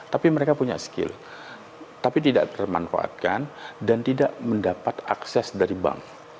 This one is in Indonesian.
tapi mereka punya skill tapi tidak termanfaatkan dan tidak mendapat akses dari bank